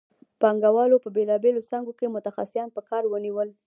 پانګوالو په بېلابېلو څانګو کې متخصصان په کار ونیول